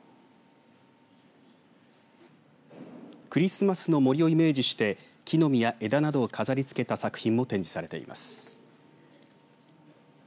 クリスマスの森をイメージして木の実や枝などを飾りつけた作品も展示されています。